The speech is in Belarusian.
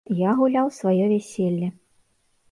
Я гуляў сваё вяселле.